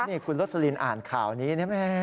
นี่คุณลสลินอ่านข่าวนี้นะแม่